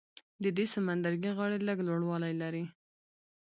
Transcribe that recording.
د دې سمندرګي غاړې لږ لوړوالی لري.